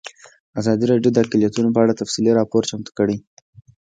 ازادي راډیو د اقلیتونه په اړه تفصیلي راپور چمتو کړی.